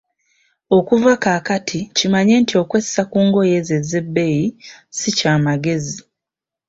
Okuva kaakati kimanye nti okwessa ku ngoye ezo ezebbeeyi si kya magezi.